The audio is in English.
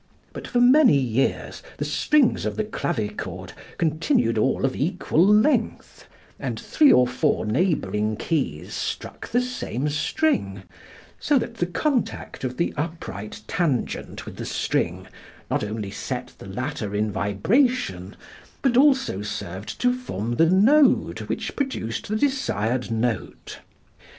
But for many years the strings of the clavichord continued all of equal length, and three or four neighboring keys struck the same string, so that the contact of the upright tangent with the string not only set the latter in vibration but also served to form the node which produced the desired note.